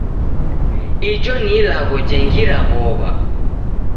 Ijo ni ilagho jengira w'ow'a.